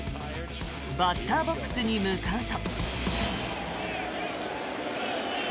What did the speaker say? バッターボックスに向かうと。